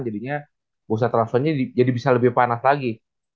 jadinya bursa transfernya jadi bisa lebih panas lagi